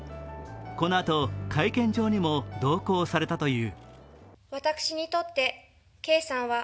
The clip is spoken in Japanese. このあと、会見場にも同行されたという。